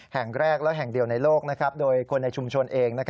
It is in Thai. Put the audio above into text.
แห่งแรกและแห่งเดียวในโลกโดยคนในชุมชนเอง